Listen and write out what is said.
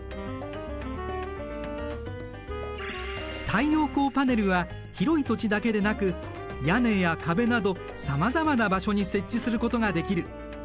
太陽光パネルは広い土地だけでなく屋根や壁などさまざまな場所に設置することができる。